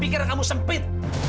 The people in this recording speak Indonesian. pikiran kamu sempit